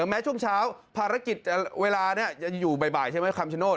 แม้ช่วงเช้าภารกิจเวลานี้จะอยู่บ่ายใช่ไหมคำชโนธ